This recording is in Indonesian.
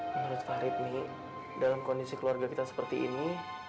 menurut farid nih dalam kondisi keluarga kita seperti ini